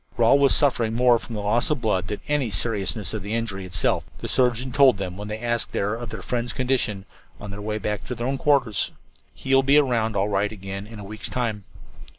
"Rawle was suffering more from loss of blood than from any seriousness of the injury itself," the surgeon told them when they asked there of their friend's condition, on their way to their own quarters. "He will be around all right again in a week's time."